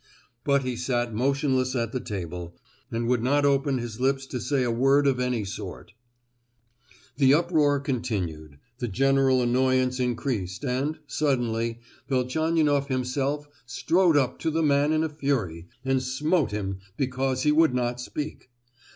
But he sat motionless at the table, and would not open his lips to say a word of any sort. The uproar continued, the general annoyance increased, and, suddenly, Velchaninoff himself strode up to the man in a fury, and smote him because he would not speak.